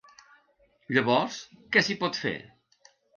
Llavors, què s’hi pot fer?